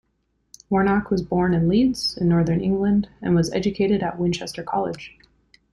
Warnock was born in Leeds, in northern England, and was educated at Winchester College.